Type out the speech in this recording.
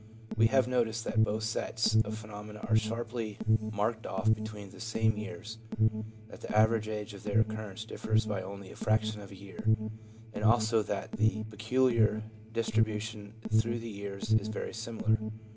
We have noticed that both sets of phenomena are sharply marked off between the same years, that the average age of their occurrence differs by only a fraction of a year, and also that the peculiar dis tribution through the years is very similar.